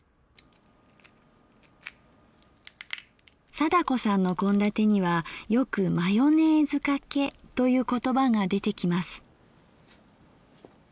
貞子さんの献立にはよく「マヨネーズかけ」という言葉が出てきます。